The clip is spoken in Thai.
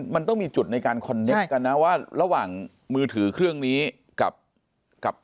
มันต้องมีจุดในการคอนเน็ตกันนะว่าระหว่างมือถือเครื่องนี้กับ